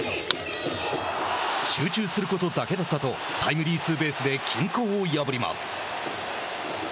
集中することだけだったとタイムリーツーベースで均衡を破ります。